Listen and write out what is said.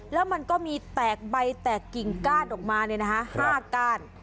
แล้วมันก็มีแตกใบแตกกิ่งกาดออกมาเนี่ยนะคะห้าก้าน